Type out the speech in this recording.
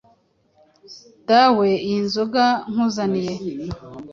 Dawe iyi nzoga nkuzaniye